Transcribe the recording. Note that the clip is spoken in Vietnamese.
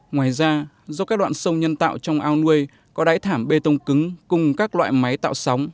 ngoài ra do các đoạn sông nhân tạo trong ao nuôi có đáy thảm bê tông cứng cùng các loại máy tạo sóng